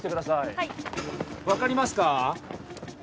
はい分かりますか？